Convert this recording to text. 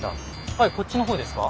はいこっちの方ですか？